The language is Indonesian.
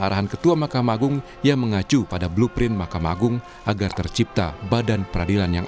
arahan ketua mahkamah agung yang mengacu pada blueprint mahkamah agung agar tercipta badan peradilan yang